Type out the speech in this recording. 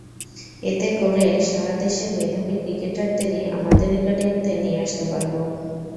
এতে করে সারা দেশের মেধাবী ক্রিকেটারদেরই আমরা একাডেমিতে নিয়ে আসতে পারব।